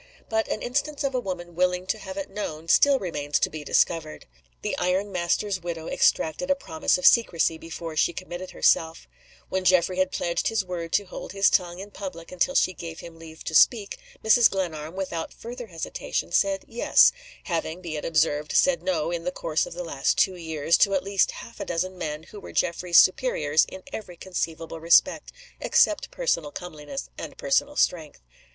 But an instance of a woman willing to have it known still remains to be discovered. The iron master's widow exacted a promise of secrecy before the committed herself When Geoffrey had pledged his word to hold his tongue in public until she gave him leave to speak, Mrs. Glenarm, without further hesitation, said Yes having, be it observed, said No, in the course of the last two years, to at least half a dozen men who were Geoffrey's superiors in every conceivable respect, except personal comeliness and personal strength.